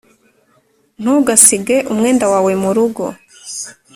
ntugasige umwenda wawe murugo